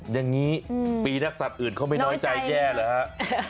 แต่ปีนักสัตว์อื่นเค้าไม่น้อยใจแย่หรือคะ